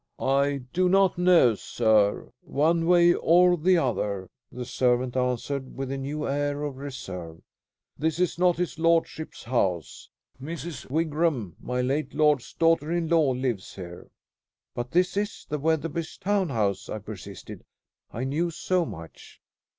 "I do not know sir, one way or the other," the servant answered with a new air of reserve. "This is not his lordship's house. Mrs. Wigram, my late lord's daughter in law, lives here." "But this is the Wetherbys' town house," I persisted. I knew so much.